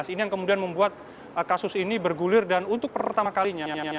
ini yang kemudian membuat kasus ini bergulir dan untuk pertama kalinya